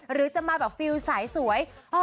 หรือจะมาแบบฟิลสายสวย